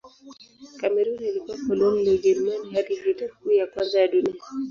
Kamerun ilikuwa koloni la Ujerumani hadi Vita Kuu ya Kwanza ya Dunia.